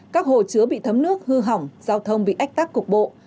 các hồ chứa bị thấm nước hư hỏng giao thông bị ách tắc cục bộ